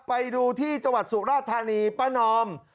ไปดูที่จังหวัดสุราธานีป้านอม